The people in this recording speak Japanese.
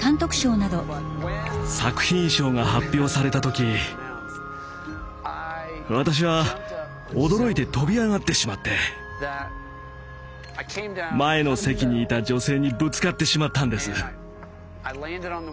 作品賞が発表された時私は驚いて飛び上がってしまって前の席にいた女性にぶつかってしまったんです。